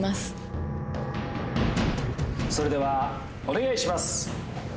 それではお願いします。